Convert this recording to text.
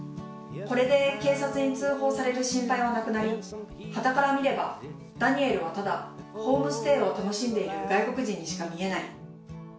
これで警察に通報される心配はなくなりはたから見ればダニエルはただホームステイを楽しんでいる外国人にしか見えない。